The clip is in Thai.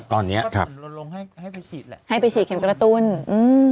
ตอนเนี้ยครับเราลงให้ให้ไปฉีดแหละให้ไปฉีดเข็มกระตุ้นอืม